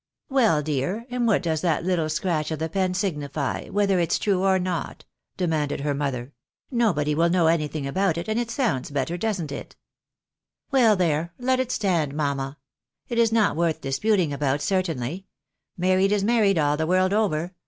" Well, dear, and what does that little scratch of the pen sig nify, whether it's true or not," demanded her mother ;" nobody wiU know anything about it, and it sounds better, doesn't it ?"" Well, there — let it stand, mamma. It is not worth disputing about, certainly. Married is married all the world over.